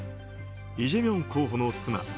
イ・ジェミョン候補の妻